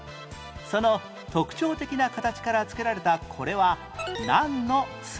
その特徴的な形から付けられたこれはなんの砂？